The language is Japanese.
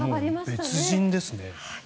もう別人ですね。